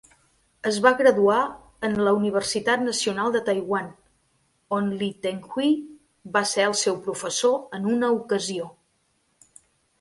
Es va graduar en la Universitat Nacional de Taiwan, on Lee Teng-hui va ser el seu professor en una ocasió.